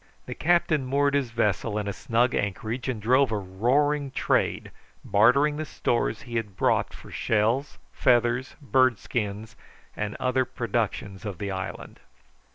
The captain moored his vessel in a snug anchorage, and drove a roaring trade bartering the stores he had brought for shells, feathers, bird skins, and other productions of the island.